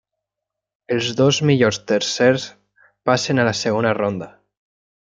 Els dos millors tercers passen a la segona ronda.